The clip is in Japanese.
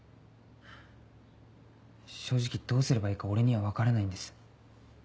正直どうすればいいか俺には分からないんです。